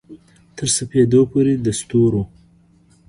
تر سپیدو پوري د ستورو